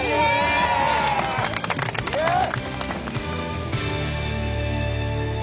イエーイ！